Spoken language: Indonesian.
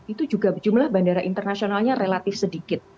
itu juga jumlah bandara internasionalnya relatif sedikit